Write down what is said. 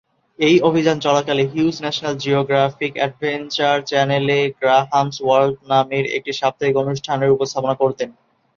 এই অভিযান চলাকালে হিউজ ন্যাশনাল জিওগ্রাফিক অ্যাডভেঞ্চার চ্যানেলে "গ্রাহাম’স ওয়ার্ল্ড" নামের একটি সাপ্তাহিক অনুষ্ঠানের উপস্থাপনা করতেন।